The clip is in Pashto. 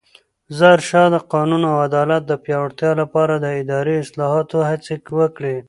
ظاهرشاه د قانون او عدالت د پیاوړتیا لپاره د اداري اصلاحاتو هڅې وکړې.